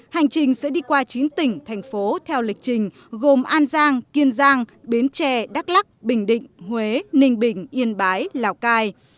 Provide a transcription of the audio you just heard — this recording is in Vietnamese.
hành trình sẽ đi qua chín tỉnh thành phố theo lịch trình gồm an giang kiên giang bến tre đắk lắc bình định huế ninh bình yên bái lào cai